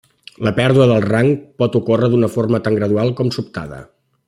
La pèrdua del rang pot ocórrer d'una forma tant gradual com sobtada.